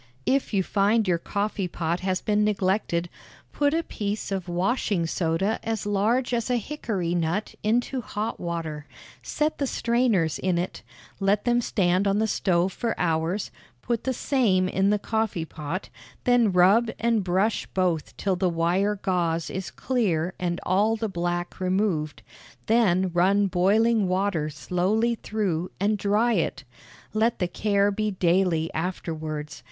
If you find your coffee pot has been neglected, put a piece of washing soda as large as a hickory nut into hot water; set the strainers in it; let them stand on the stove for hours; put the same in the coffee pot; then rub and brush both till the wire gauze is clear and all the black removed; then run boiling water slowly through, and dry it. Let the care be daily afterwards.